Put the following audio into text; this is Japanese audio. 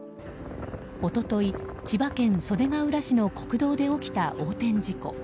一昨日、千葉県袖ケ浦市の国道で起きた横転事故。